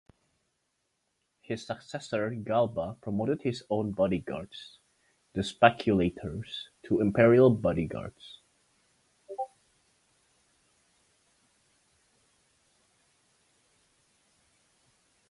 His successor, Galba, promoted his own bodyguards, the "Speculatores", to imperial bodyguards.